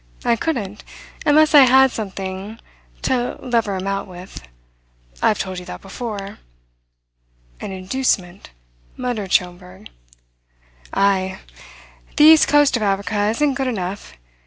"I couldn't, unless I had something to lever him out with. I've told you that before." "An inducement?" muttered Schomberg. "Ay. The east coast of Africa isn't good enough.